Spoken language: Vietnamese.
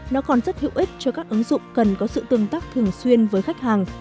nó còn rất hữu ích cho các ứng dụng cần có sự tương tác thường xuyên với khách hàng